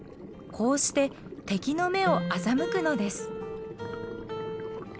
こうして敵の目を欺くのです。